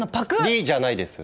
「リ」じゃないです！